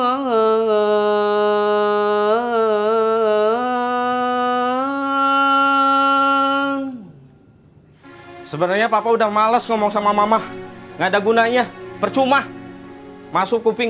hai sebenarnya papa udah males ngomong sama mama nggak ada gunanya percuma masuk kuping